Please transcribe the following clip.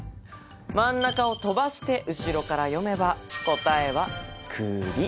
真ん中を飛ばして後ろから読めば、答えはクリ。